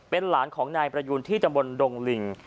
เป็นหลานของนายประยูนที่ตำบลดงลิง